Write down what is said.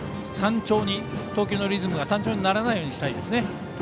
投球のリズムが単調にならないようにしたいですね。